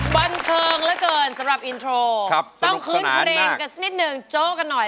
วันเทิงแล้วเกินสำหรับอินโทรครับสนุกขนาดมากต้องคืนเพลงกับสนิทหนึ่งโจ๊กกันหน่อย